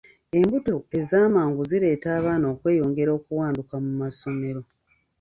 Embuto ezamangu zireetera abaana okweyongera okuwanduka mu ssomero.